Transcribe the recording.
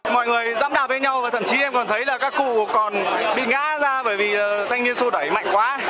mọi người dẫm đạp lên nhau và thậm chí em còn thấy là các cụ còn bị ngã ra bởi vì thanh niên sô đầy mạnh quá